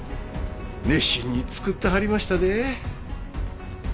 熱心に作ってはりましたで。